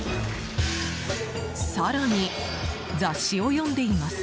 更に、雑誌を読んでいます。